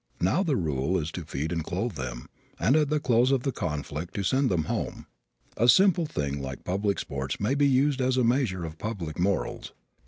Now the rule is to feed and clothe them and at the close of the conflict to send them home. A simple thing like public sports may be used as a measure of public morals.